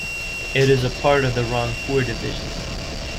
It is a part of the Rangpur Division.